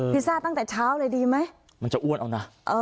ซ่าตั้งแต่เช้าเลยดีไหมมันจะอ้วนเอานะ